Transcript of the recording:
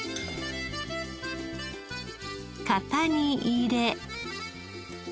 型に入れ。